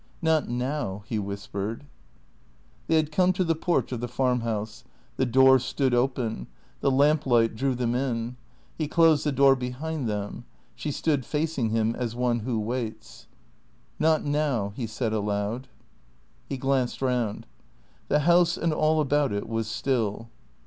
" Not now," he whispered. They had come to the porch of the farmhouse. The door stood open. The lamp light drew them in. He closed the door behind them. She stood facing him as one who waits. " Not now," he said aloud. He glanced round. The house and all about it was still.